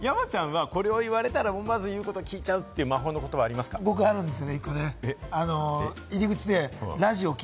山ちゃんはこれを言われたらまず言うこと聞いちゃうという魔法の言葉、あるんですか？